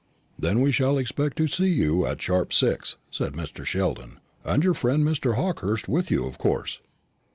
"Then we shall expect to see you at sharp six," said Mr. Sheldon, "and your friend Mr. Hawkehurst with you, of course."